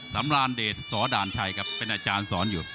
สำรานเดชสด่านชัยครับเป็นอาจารย์สอนอยู่